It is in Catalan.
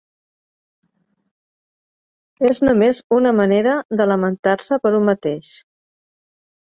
És només una manera de lamentar-se per un mateix.